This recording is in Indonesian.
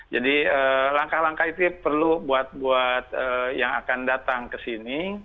jadi langkah langkah itu perlu buat buat yang akan datang ke sini